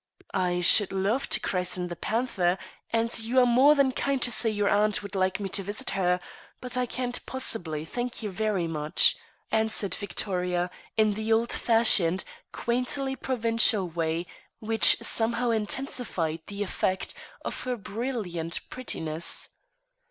"I should love to christen the panther, and you are more than kind to say your aunt would like me to visit her; but I can't possibly, thank you very much," answered Victoria in the old fashioned, quaintly provincial way which somehow intensified the effect of her brilliant prettiness.